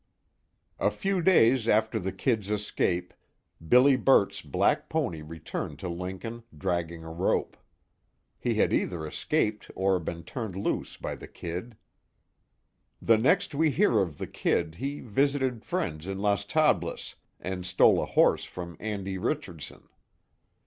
A few days after the "Kid's" escape, Billy Burt's black pony returned to Lincoln dragging a rope. He had either escaped or been turned loose by the "Kid." The next we hear of the "Kid" he visited friends in Las Tablas, and stole a horse from Andy Richardson.